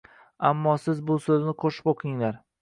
Ammo siz bu so’zni qo’shib o’qinglar.